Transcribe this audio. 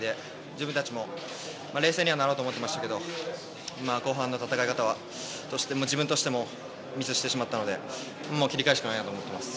自分たちも冷静にはなろうと思ってましたけど後半の戦い方は自分としてもミスしてしまったのでもう切り替えるしかないなと思ってます。